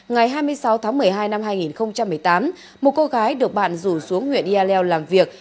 ngày hai mươi sáu tháng một mươi hai năm hai nghìn một mươi tám một cô gái được bạn rủ xuống huyện yaleo làm việc